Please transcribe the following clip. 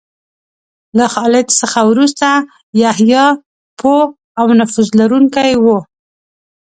له خالد څخه وروسته یحیی پوه او نفوذ لرونکی و.